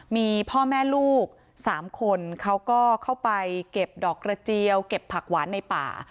มีพ่อแม่ลูก๓คนเขาก็เข้าไปเก็บดอกกระเจียวเก็บผักหวานในป่า